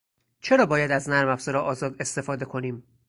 چرا باید از نرمافزار آزاد استفاده کنیم؟